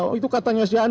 oh itu katanya si anu